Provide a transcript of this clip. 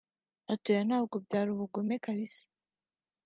Ati “ Oya ntabwo byari ubugome kabisa